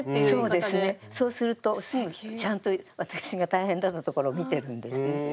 そうするとちゃんと私が大変だったところを見てるんです。